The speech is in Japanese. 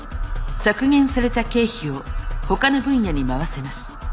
削減された経費をほかの分野に回せます。